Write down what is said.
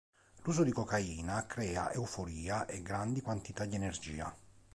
L'uso di cocaina crea euforia e grandi quantità di energia.